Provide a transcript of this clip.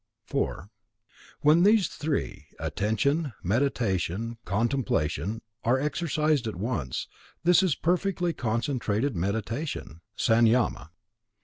4. When these three, Attention, Meditation Contemplation, are exercised at once, this is perfectly concentrated Meditation (sanyama).